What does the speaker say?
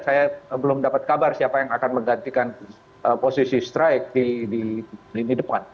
saya belum dapat kabar siapa yang akan menggantikan posisi strike di lini depan